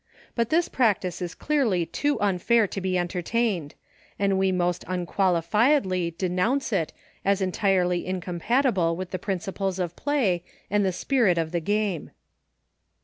But this practice is clearly too unfair to be entertained, and we most unqualifiedly denounce it as entirely incompatible with 3 50 EUCHRE. the principles of play and the spirit of the game.